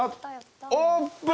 オープン！